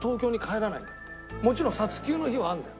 もちろん撮休の日もあるのよ。